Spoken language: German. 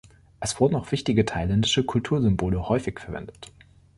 Es wurden auch wichtige thailändische Kultursymbole häufig verwendet.